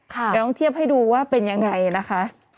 เดี๋ยวต้องเทียบให้ดูว่าเป็นยังไงนะคะ